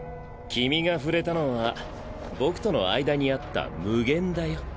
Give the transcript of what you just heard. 君が触れたのは僕との間にあった「無限」だよ。